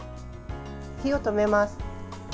火を止めます。